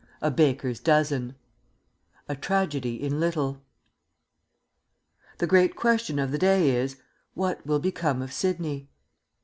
A BAKER'S DOZEN A TRAGEDY IN LITTLE The great question of the day is, What will become of Sidney?